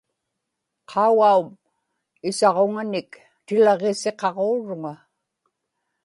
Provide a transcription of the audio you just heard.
qaugaum isaġuŋanik tilaġġisiqaġuuruŋa